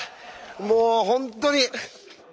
もう本当に！